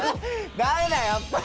ダメだやっぱ！